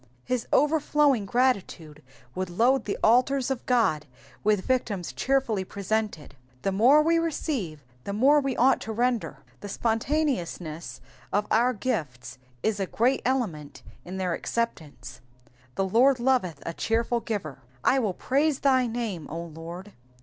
His overflowing gratitude would load the altars of God with victims cheerfully presented. The more we receive, the more we ought to render. The spontaneousness of our gifts is a great element in their acceptance ; the Lord loveth a cheerful giver. / toiU praise thy name, 0 Lord.